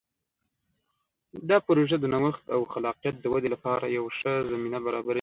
دا پروژه د نوښت او خلاقیت د ودې لپاره یوه ښه زمینه برابروي.